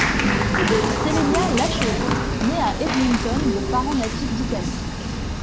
Selenia Iacchelli naît à Edmonton de parents natifs d'Italie.